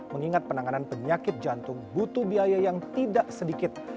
mengingat penanganan penyakit jantung butuh biaya yang tidak sedikit